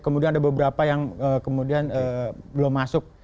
kemudian ada beberapa yang kemudian belum masuk